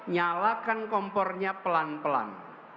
nyalakan kompornya pelan pelan